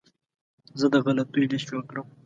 زه د غلطیو لیست جوړ کړم.